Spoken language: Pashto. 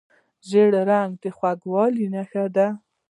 ژیړ رنګ د خوږوالي نښه ده.